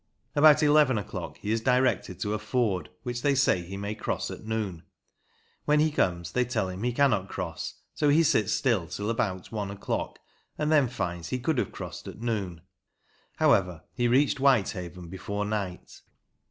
About eleven o'clock he is directed to a ford which they say he may cross at noon. When he comes there they tell him he cannot cross, so he sits still till about one o'clock, and then finds he could have crossed at noon. However, he reached Whitehaven before night.